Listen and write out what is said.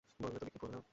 বললো তো বিক্রি করবে না।